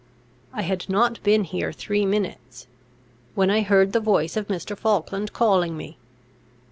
I had not been here three minutes, when I heard the voice of Mr. Falkland calling me.